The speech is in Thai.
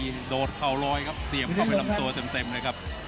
หมดยกที่สี่